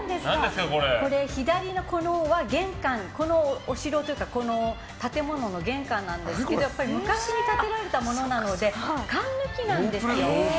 左は、このお城というかこの建物の玄関なんですけど昔に建てられたものなのでかんぬきなんですよ。